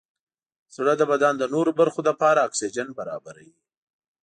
زړه د بدن د نورو برخو لپاره اکسیجن برابروي.